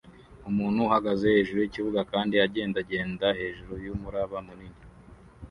Umuntu ahagaze hejuru yikibuga kandi agendagenda hejuru yumuraba munini